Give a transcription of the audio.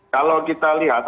kalau kita lihat